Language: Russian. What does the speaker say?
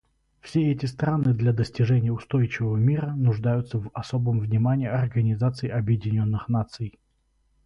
Все эти страны для достижения устойчивого мира нуждаются в особом внимании Организации Объединенных Наций.